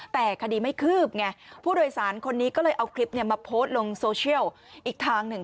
แต่คดีไม่คืบไงผู้โดยสารคนนี้ก็เลยเอาคลิปมาโพสต์ลงโซเชียลอีกทางหนึ่ง